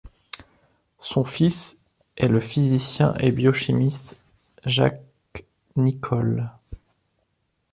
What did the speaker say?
Son fils est le physicien et biochimiste Jacques Nicolle.